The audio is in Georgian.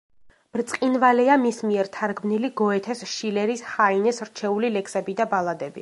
ბრწყინვალეა მის მიერ თარგმნილი გოეთეს, შილერის, ჰაინეს რჩეული ლექსები და ბალადები.